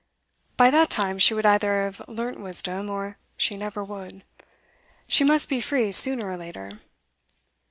By that time she would either have learnt wisdom, or she never would. She must be free sooner or later.